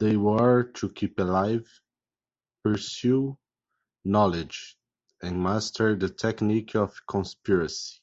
They were, to keep alive, pursue knowledge, and master the technique of conspiracy.